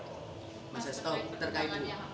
mas setelah perkembangan yang haket